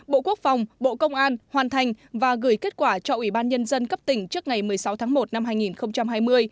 bộ quốc phòng bộ công an hoàn thành và gửi kết quả cho ủy ban nhân dân cấp tỉnh trước ngày một mươi sáu tháng một năm hai nghìn hai mươi